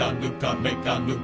「めかぬか」